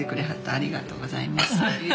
ありがとうございます。